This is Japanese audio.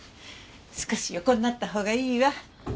少し横になった方がいいわ。